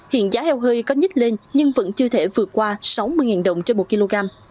hiện giá heo hơi có nhích lên nhưng vẫn chưa thể vượt qua sáu mươi đồng trên một kg